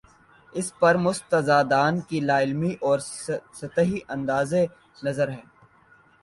اس پر مستزاد ان کی لا علمی اور سطحی انداز نظر ہے۔